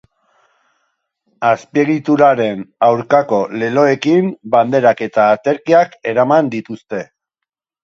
Azpiegituraren aurkako leloekin banderak eta aterkiak eraman dituzte.